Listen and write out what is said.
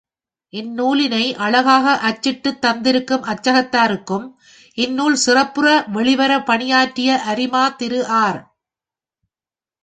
இந்நூலினை அழகாக அச்சிட்டுத் தந்திருக்கும் அச்சகத்தாருக்கும், இந்நூல் சிறப்புற வெளிவர பணியாற்றிய அரிமா திரு ஆர்.